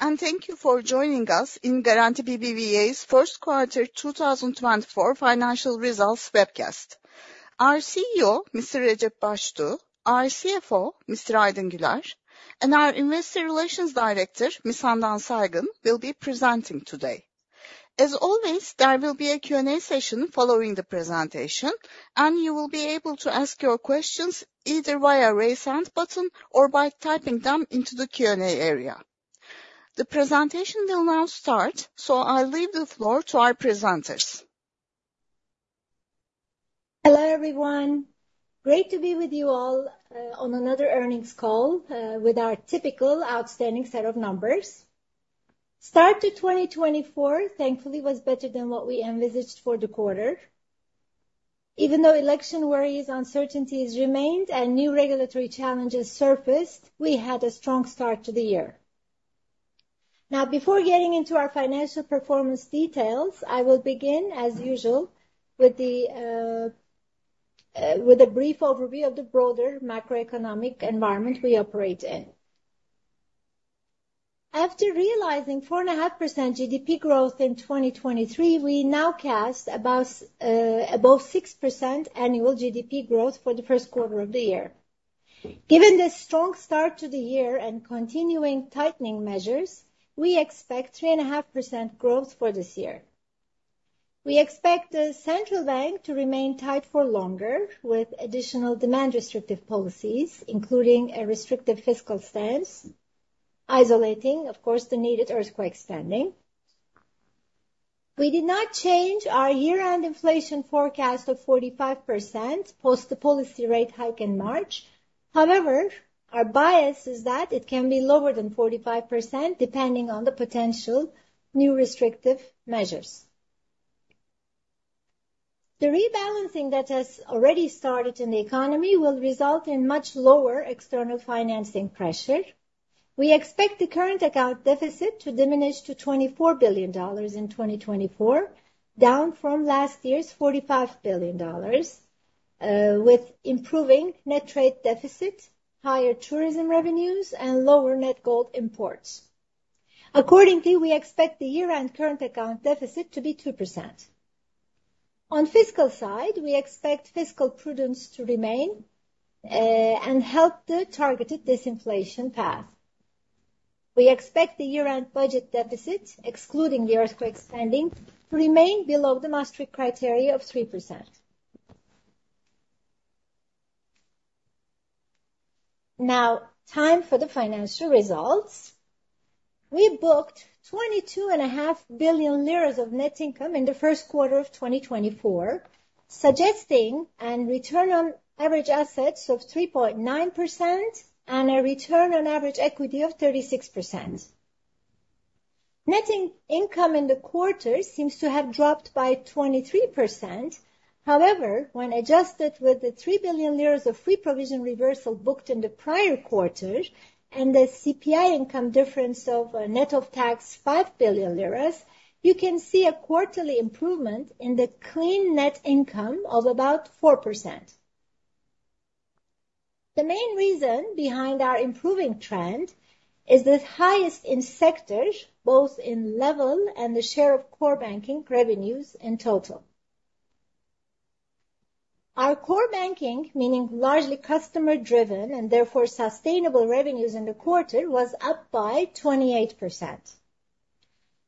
Hello, and thank you for joining us in Garanti BBVA's first quarter 2024 financial results webcast. Our CEO, Mr. Recep Baştuğ, our CFO, Mr. Aydın Güler, and our Investor Relations Director, Ms. Handan Saygın, will be presenting today. As always, there will be a Q&A session following the presentation, and you will be able to ask your questions either via raise hand button or by typing them into the Q&A area. The presentation will now start, so I'll leave the floor to our presenters. Hello, everyone. Great to be with you all on another earnings call with our typical outstanding set of numbers. Start to 2024, thankfully, was better than what we envisaged for the quarter. Even though election worries, uncertainties remained and new regulatory challenges surfaced, we had a strong start to the year. Now, before getting into our financial performance details, I will begin, as usual, with a brief overview of the broader macroeconomic environment we operate in. After realizing 4.5% GDP growth in 2023, we now forecast above 6% annual GDP growth for the first quarter of the year. Given this strong start to the year and continuing tightening measures, we expect 3.5% growth for this year. We expect the Central Bank to remain tight for longer, with additional demand-restrictive policies, including a restrictive fiscal stance, isolating, of course, the needed earthquake spending. We did not change our year-end inflation forecast of 45% post the policy rate hike in March. However, our bias is that it can be lower than 45%, depending on the potential new restrictive measures. The rebalancing that has already started in the economy will result in much lower external financing pressure. We expect the current account deficit to diminish to $24 billion in 2024, down from last year's $45 billion, with improving net trade deficit, higher tourism revenues, and lower net gold imports. Accordingly, we expect the year-end current account deficit to be 2%. On fiscal side, we expect fiscal prudence to remain, and help the targeted disinflation path. We expect the year-end budget deficit, excluding the earthquake spending, to remain below the Maastricht criteria of 3%. Now, time for the financial results. We booked 22.5 billion lira of net income in the first quarter of 2024, suggesting a return on average assets of 3.9% and a return on average equity of 36%. Net income in the quarter seems to have dropped by 23%. However, when adjusted with the 3 billion of free provision reversal booked in the prior quarter and the CPI income difference of a net of tax 5 billion lira, you can see a quarterly improvement in the clean net income of about 4%. The main reason behind our improving trend is the highest in sectors, both in level and the share of core banking revenues in total. Our core banking, meaning largely customer-driven and therefore sustainable revenues in the quarter, was up by 28%.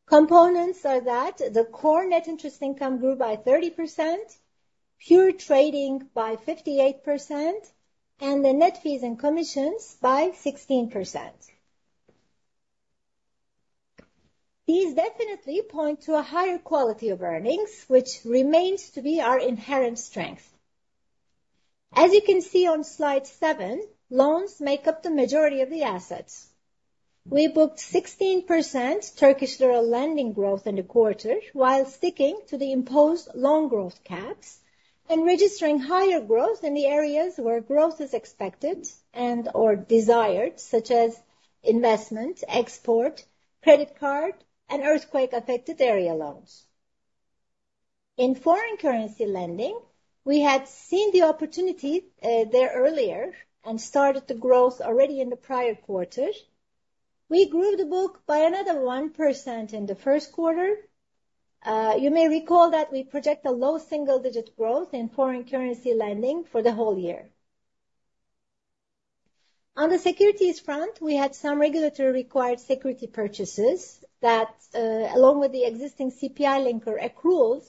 Components are that the core net interest income grew by 30%, pure trading by 58%, and the net fees and commissions by 16%. These definitely point to a higher quality of earnings, which remains to be our inherent strength. As you can see on slide 7, loans make up the majority of the assets. We booked 16% Turkish lira lending growth in the quarter, while sticking to the imposed loan growth caps and registering higher growth in the areas where growth is expected and/or desired, such as investment, export, credit card, and earthquake-affected area loans. In foreign currency lending, we had seen the opportunity, there earlier and started the growth already in the prior quarter. We grew the book by another 1% in the first quarter. You may recall that we project a low single-digit growth in foreign currency lending for the whole year. On the securities front, we had some regulatory required security purchases that, along with the existing CPI linker accruals,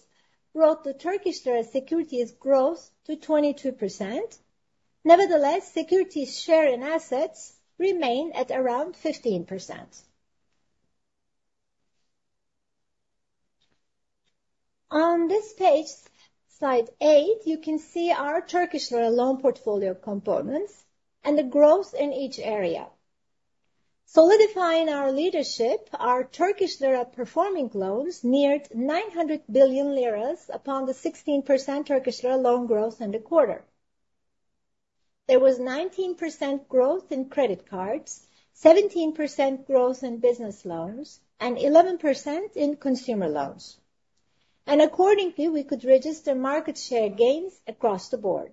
brought the Turkish lira securities growth to 22%. Nevertheless, securities share in assets remain at around 15%. On this page, slide 8, you can see our Turkish lira loan portfolio components and the growth in each area. Solidifying our leadership, our Turkish lira performing loans neared 900 billion lira upon the 16% Turkish lira loan growth in the quarter. There was 19% growth in credit cards, 17% growth in business loans, and 11% in consumer loans. And accordingly, we could register market share gains across the board.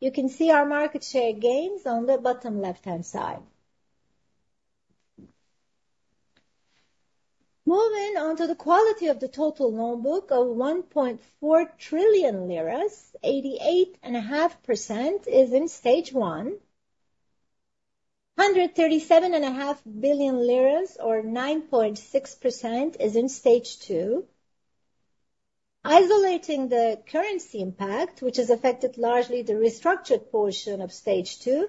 You can see our market share gains on the bottom left-hand side. Moving on to the quality of the total loan book of 1.4 trillion lira, 88.5% is in Stage 1. 137.5 billion lira, or 9.6%, is in Stage 2. Isolating the currency impact, which has affected largely the restructured portion of Stage 2,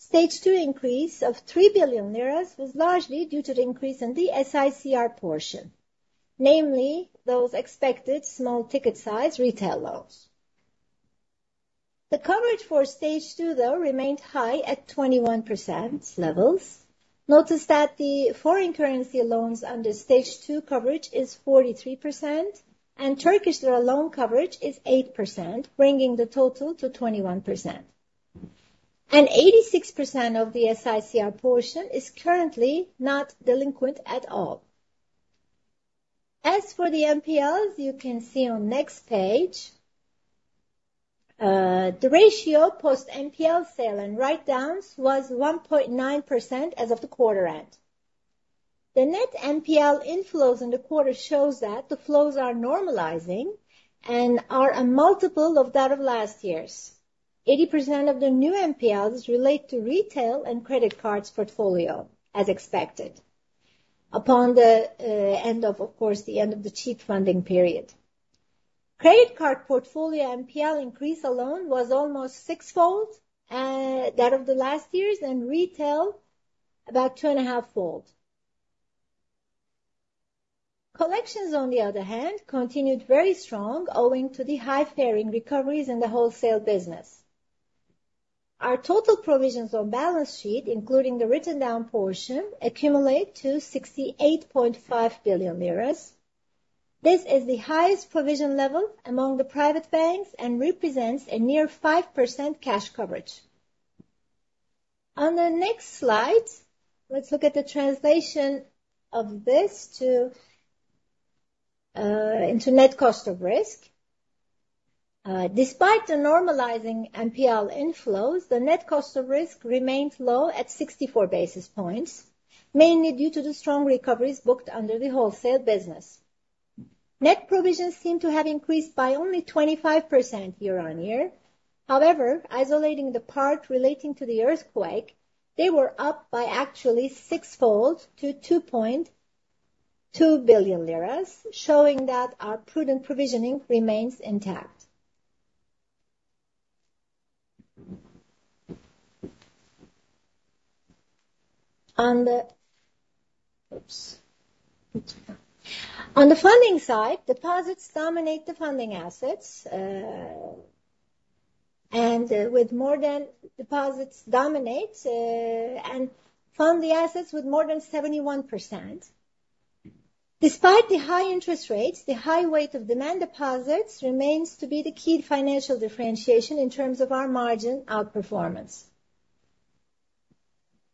Stage 2 increase of 3 billion lira was largely due to the increase in the SICR portion, namely those expected small ticket size retail loans. The coverage for Stage 2, though, remained high at 21% levels. Notice that the foreign currency loans under Stage 2 coverage is 43%, and Turkish lira loan coverage is 8%, bringing the total to 21%. And 86% of the SICR portion is currently not delinquent at all. As for the NPLs, you can see on next page, the ratio post NPL sale and write-downs was 1.9% as of the quarter end. The net NPL inflows in the quarter shows that the flows are normalizing and are a multiple of that of last year's. 80% of the new NPLs relate to retail and credit cards portfolio, as expected, upon the end of, of course, the end of the cheap funding period. Credit card portfolio NPL increase alone was almost sixfold that of the last year's, and retail, about 2.5-fold. Collections, on the other hand, continued very strong, owing to the high paying recoveries in the wholesale business. Our total provisions on balance sheet, including the written down portion, accumulate to 68.5 billion lira. This is the highest provision level among the private banks and represents a near 5% cash coverage. On the next slide, let's look at the translation of this to into net cost of risk. Despite the normalizing NPL inflows, the net cost of risk remained low at 64 basis points, mainly due to the strong recoveries booked under the wholesale business. Net provisions seem to have increased by only 25% year-on-year. However, isolating the part relating to the earthquake, they were up by actually sixfold to 2.2 billion lira, showing that our prudent provisioning remains intact. On the. Oops! On the funding side, deposits dominate the funding assets, and fund the assets with more than 71%. Despite the high interest rates, the high weight of demand deposits remains to be the key financial differentiation in terms of our margin outperformance.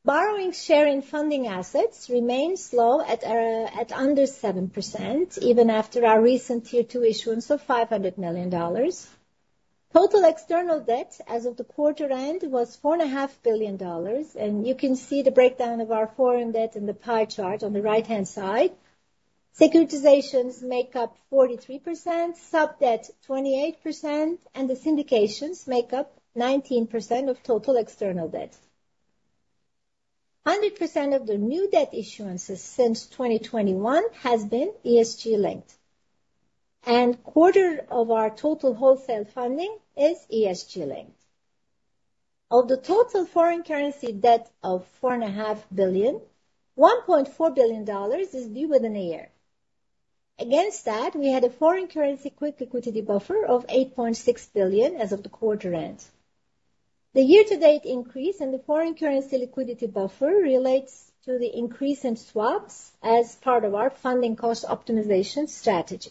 Borrowing share in funding assets remains low at under 7%, even after our recent Tier 2 issuance of $500 million. Total external debt as of the quarter end was $4.5 billion, and you can see the breakdown of our foreign debt in the pie chart on the right-hand side. Securitizations make up 43%, sub-debt 28%, and the syndications make up 19% of total external debt. 100% of the new debt issuances since 2021 has been ESG-linked, and quarter of our total wholesale funding is ESG-linked. Of the total foreign currency debt of $4.5 billion, $1.4 billion is due within a year. Against that, we had a foreign currency quick liquidity buffer of $8.6 billion as of the quarter end. The year-to-date increase in the foreign currency liquidity buffer relates to the increase in swaps as part of our funding cost optimization strategy.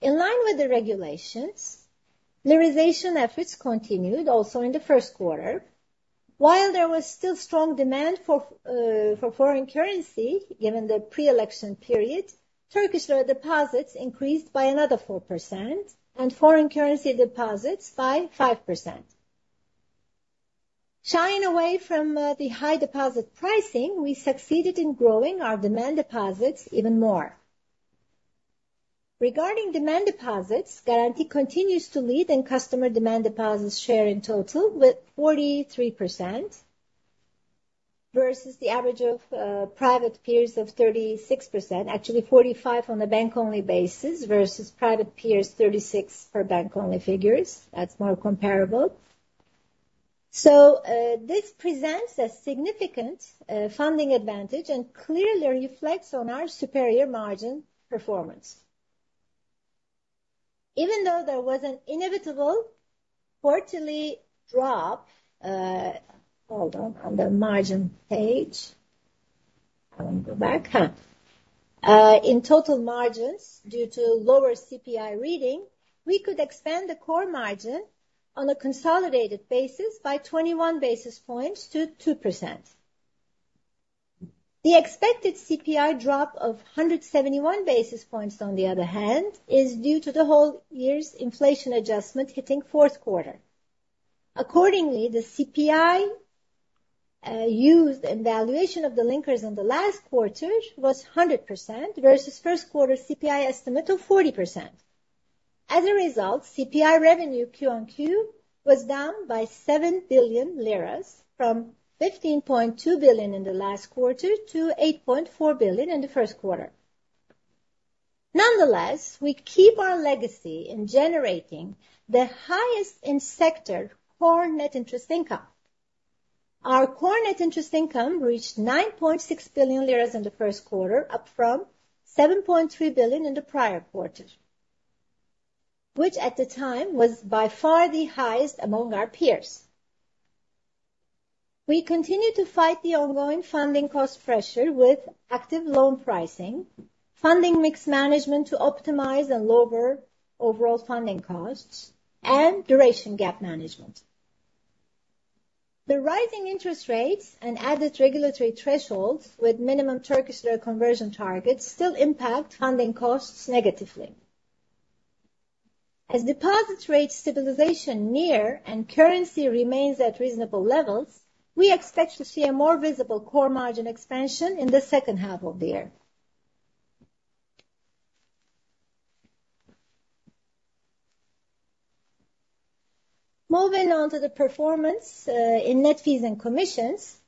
In line with the regulations, liraization efforts continued also in the first quarter. While there was still strong demand for foreign currency, given the pre-election period, Turkish lira deposits increased by another 4% and foreign currency deposits by 5%. Shying away from the high deposit pricing, we succeeded in growing our demand deposits even more. Regarding demand deposits, Garanti continues to lead in customer demand deposits share in total with 43%, versus the average of private peers of 36%. Actually, 45% on a bank-only basis versus private peers, 36% for bank-only figures. That's more comparable. This presents a significant funding advantage and clearly reflects on our superior margin performance. Even though there was an inevitable quarterly drop, in total margins, due to lower CPI reading, we could expand the core margin on a consolidated basis by 21 basis points to 2%. The expected CPI drop of 171 basis points, on the other hand, is due to the whole year's inflation adjustment hitting fourth quarter. Accordingly, the CPI used in valuation of the linkers in the last quarter was 100% versus first quarter CPI estimate of 40%. As a result, CPI revenue Q-on-Q was down by 7 billion lira, from 15.2 billion in the last quarter to 8.4 billion in the first quarter. Nonetheless, we keep our legacy in generating the highest in sector core net interest income. Our core net interest income reached 9.6 billion lira in the first quarter, up from 7.3 billion in the prior quarter, which at the time was by far the highest among our peers. We continue to fight the ongoing funding cost pressure with active loan pricing, funding mix management to optimize and lower overall funding costs, and duration gap management. The rising interest rates and added regulatory thresholds with minimum Turkish lira conversion targets still impact funding costs negatively. As deposit rate stabilization near and currency remains at reasonable levels, we expect to see a more visible core margin expansion in the second half of the year. Moving on to the performance in net fees and commissions,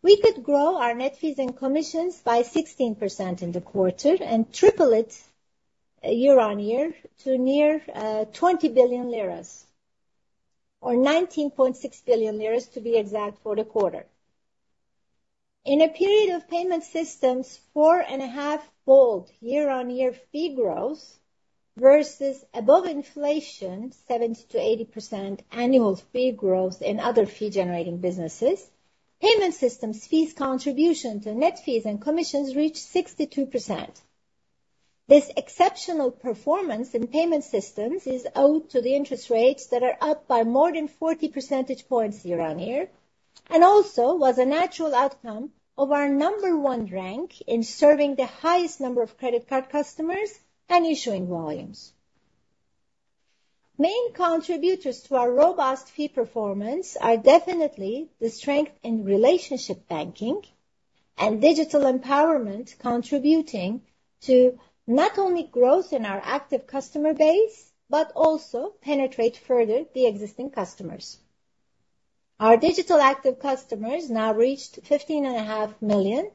we could grow our net fees and commissions by 16% in the quarter and triple it year-on-year to nearly 20 billion lira, or 19.6 billion lira, to be exact, for the quarter. In a period of payment systems, 4.5-fold year-on-year fee growth versus above-inflation 70%-80% annual fee growth in other fee-generating businesses, payment systems fees contribution to net fees and commissions reached 62%. This exceptional performance in payment systems is owed to the interest rates that are up by more than 40 percentage points year-on-year, and also was a natural outcome of our number-one rank in serving the highest number of credit card customers and issuing volumes. Main contributors to our robust fee performance are definitely the strength in relationship banking and digital empowerment, contributing to not only growth in our active customer base, but also penetrate further the existing customers. Our digital active customers now reached 15.5 million,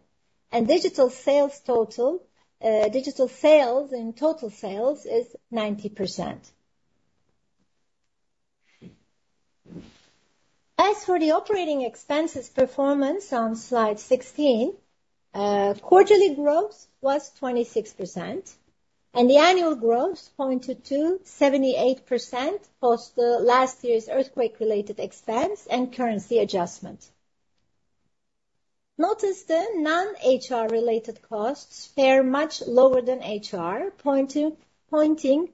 and digital sales total, digital sales and total sales is 90%. As for the operating expenses performance on slide 16, quarterly growth was 26%, and the annual growth pointed to 78% post the last year's earthquake-related expense and currency adjustment. Notice the non-HR related costs fare much lower than HR, pointing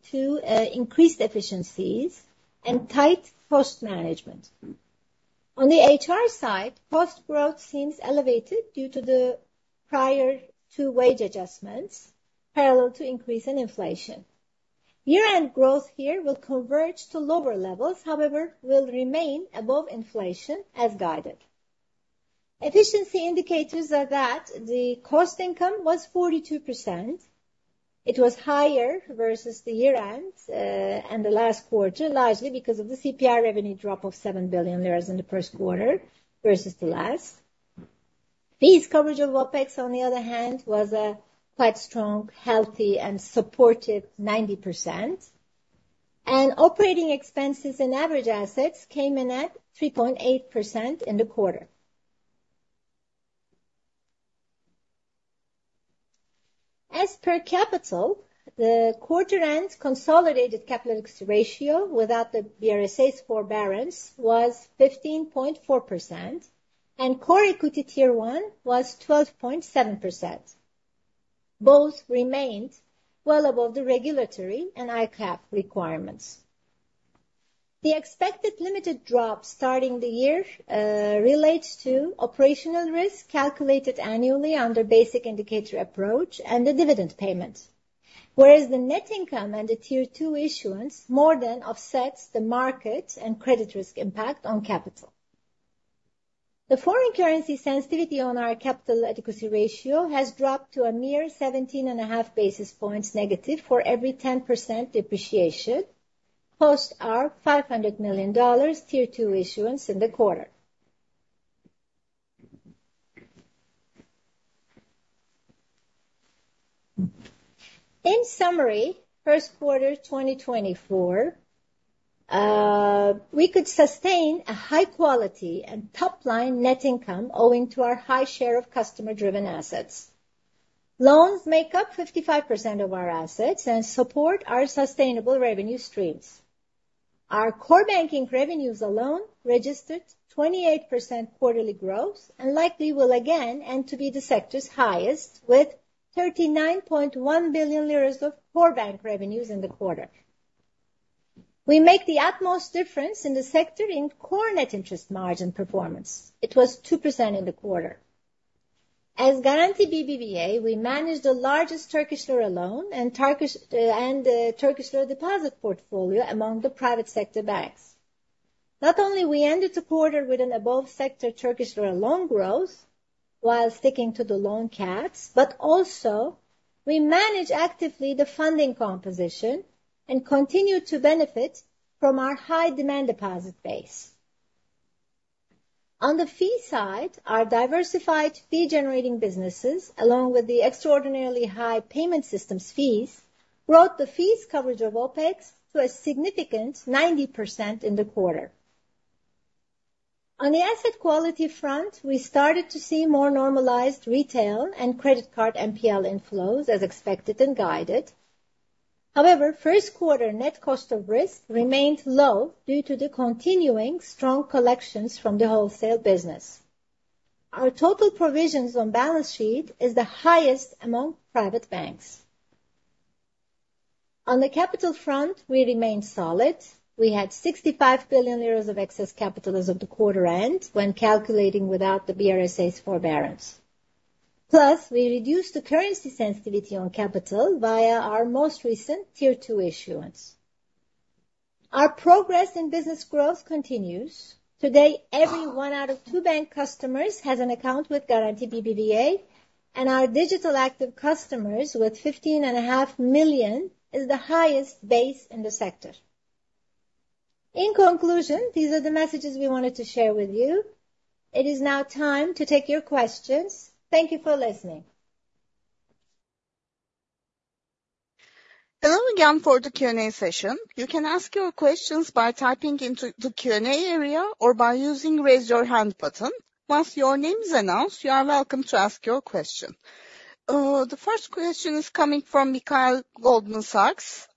to increased efficiencies and tight cost management. On the HR side, cost growth seems elevated due to the prior two wage adjustments, parallel to increase in inflation. Year-end growth here will converge to lower levels, however, will remain above inflation as guided. Efficiency indicators are that the cost income was 42%. It was higher versus the year-end and the last quarter, largely because of the CPI revenue drop of 7 billion lira in the first quarter versus the last. Fees coverage of OpEx, on the other hand, was a quite strong, healthy, and supported 90%, and operating expenses and average assets came in at 3.8% in the quarter. As per capital, the quarter-end consolidated capital ratio, without the BRSA's forbearance, was 15.4%, and core equity Tier 1 was 12.7%. Both remained well above the regulatory and ICAAP requirements. The expected limited drop starting the year relates to operational risk calculated annually under Basic Indicator Approach and the dividend payment. Whereas the net income and the Tier 2 issuance more than offsets the market and credit risk impact on capital. The foreign currency sensitivity on our capital adequacy ratio has dropped to a mere 17.5 basis points negative for every 10% depreciation, post our $500 million Tier 2 issuance in the quarter. In summary, first quarter 2024, we could sustain a high quality and top-line net income owing to our high share of customer-driven assets. Loans make up 55% of our assets and support our sustainable revenue streams. Our core banking revenues alone registered 28% quarterly growth and likely will again and to be the sector's highest, with 39.1 billion lira of core bank revenues in the quarter. We make the utmost difference in the sector in core net interest margin performance. It was 2% in the quarter. As Garanti BBVA, we manage the largest Turkish lira loan and Turkish lira deposit portfolio among the private sector banks. Not only we ended the quarter with an above-sector Turkish lira loan growth while sticking to the loan caps, but also we manage actively the funding composition and continue to benefit from our high demand deposit base. On the fee side, our diversified fee-generating businesses, along with the extraordinarily high payment systems fees, brought the fees coverage of OPEX to a significant 90% in the quarter. On the asset quality front, we started to see more normalized retail and credit card NPL inflows as expected and guided. However, first quarter net cost of risk remained low due to the continuing strong collections from the wholesale business. Our total provisions on balance sheet is the highest among private banks. On the capital front, we remained solid. We had TRY 65 billion of excess capital as of the quarter end, when calculating without the BRSA's forbearance. Plus, we reduced the currency sensitivity on capital via our most recent Tier 2 issuance. Our progress in business growth continues. Today, every one out of two bank customers has an account with Garanti BBVA, and our digital active customers, with 15.5 million, is the highest base in the sector. In conclusion, these are the messages we wanted to share with you. It is now time to take your questions. Thank you for listening. And now again, for the Q&A session. You can ask your questions by typing into the Q&A area or by using Raise Your Hand button. Once your name is announced, you are welcome to ask your question. The first question is coming from Mikhail, Goldman Sachs.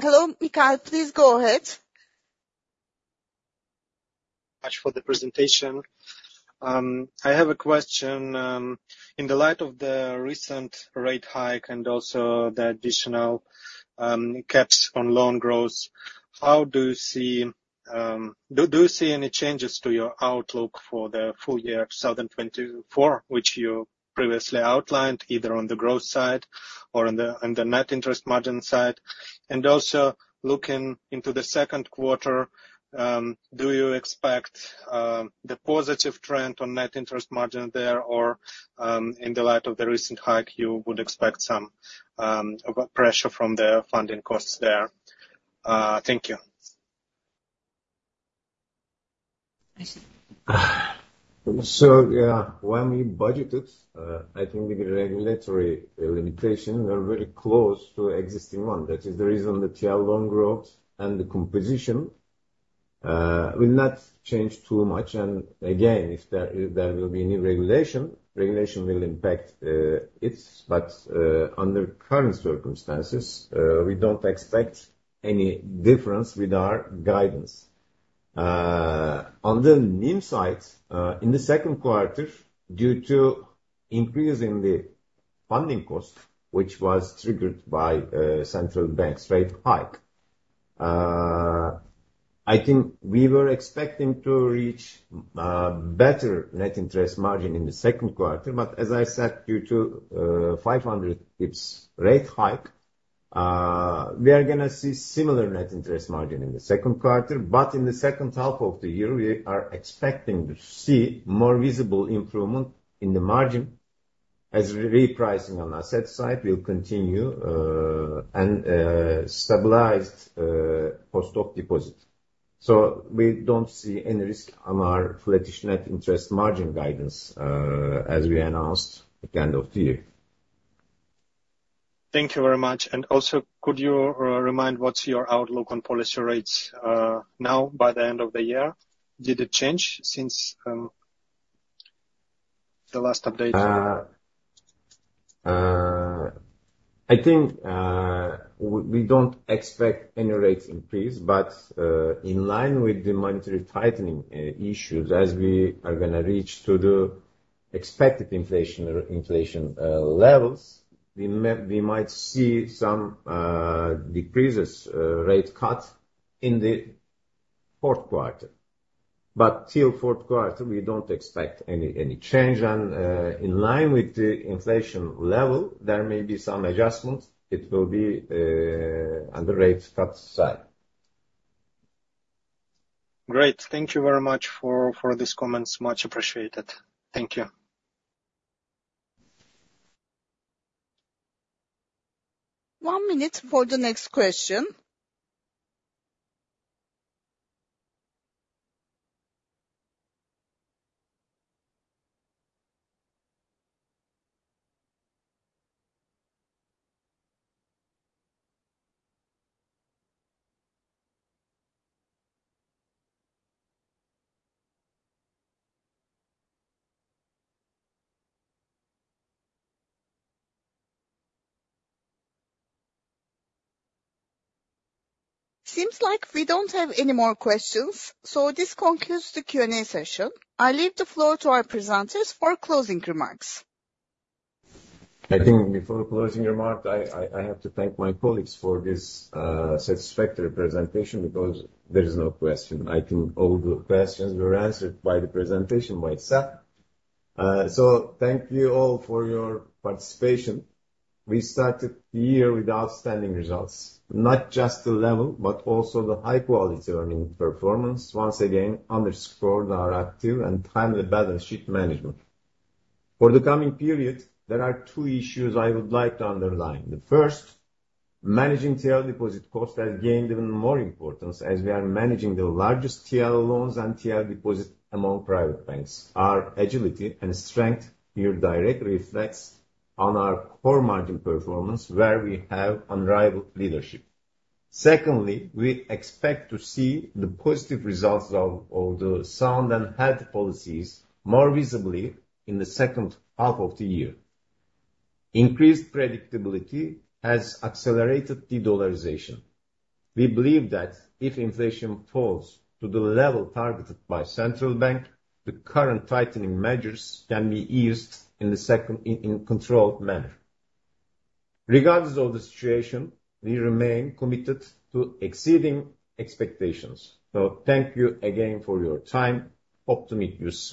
Hello, Mikhail, please go ahead. You very much for the presentation. I have a question. In the light of the recent rate hike and also the additional caps on loan growth, how do you see, do you see any changes to your outlook for the full year 2024, which you previously outlined, either on the growth side or on the net interest margin side? And also looking into the second quarter, do you expect the positive trend on net interest margin there, or in the light of the recent hike, you would expect some pressure from the funding costs there? Thank you. Aydın? So, yeah, when we budgeted, I think the regulatory limitation, we're very close to existing one. That is the reason the TL loan growth and the composition will not change too much. And again, if there will be new regulation, regulation will impact it. But under current circumstances, we don't expect any difference with our guidance. On the NIM side, in the second quarter, due to increasing the funding cost, which was triggered by Central Bank's rate hike, I think we were expecting to reach better net interest margin in the second quarter. But as I said, due to 500 bps rate hike, we are gonna see similar net interest margin in the second quarter. But in the second half of the year, we are expecting to see more visible improvement in the margin as repricing on the asset side will continue, and stabilized cost of deposit. So we don't see any risk on our flatish net interest margin guidance, as we announced at the end of the year. Thank you very much. And also, could you remind what's your outlook on policy rates now by the end of the year? Did it change since the last update? I think we don't expect any rates increase, but in line with the monetary tightening issues, as we are gonna reach to the expected inflation levels, we might see some decreases, rate cut in the fourth quarter. But till fourth quarter, we don't expect any change. And in line with the inflation level, there may be some adjustments. It will be on the rate cut side. Great. Thank you very much for these comments. Much appreciated. Thank you. One minute for the next question. Seems like we don't have any more questions, so this concludes the Q&A session. I leave the floor to our presenters for closing remarks. I think before closing remark, I have to thank my colleagues for this satisfactory presentation because there is no question. I think all the questions were answered by the presentation by itself. So thank you all for your participation. We started the year with outstanding results, not just the level, but also the high-quality earning performance, once again underscored our active and timely balance sheet management. For the coming periods, there are two issues I would like to underline. The first, managing TL deposit cost has gained even more importance as we are managing the largest TL loans and TL deposits among private banks. Our agility and strength here directly reflects on our core margin performance, where we have unrivaled leadership. Secondly, we expect to see the positive results of the sound and health policies more visibly in the second half of the year. Increased predictability has accelerated de-dollarization. We believe that if inflation falls to the level targeted by Central Bank, the current tightening measures can be eased in controlled manner. Regardless of the situation, we remain committed to exceeding expectations. So thank you again for your time. Hope to meet you soon.